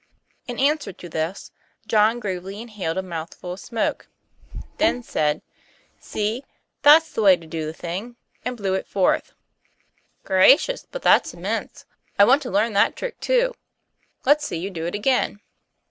In answer to this, John gravely inhaled a mouth ful of smoke; then said: "See! that's the way to do the thing," and blew it forth. 86 TOM PLAYFAIR. "Gracious, out that's immense. I want to learn that trick too; let's see you do it again."